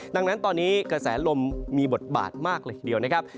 ดังนั้นตอนนี้กระแสลมมีบทบาทมากเลยทีเดียวนะครับ